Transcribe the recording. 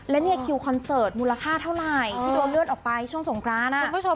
และเนี่ยคิวคอนเสิร์ตมูลค่าเท่าไหร่ที่โดนเลื่อนออกไปช่วงสงกรานคุณผู้ชม